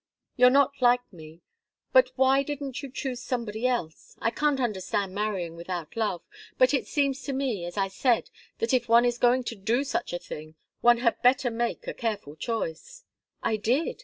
You're not like me. But why didn't you choose somebody else? I can't understand marrying without love; but it seems to me, as I said, that if one is going to do such a thing one had better make a careful choice." "I did.